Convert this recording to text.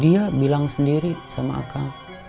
dia bilang sendiri sama akan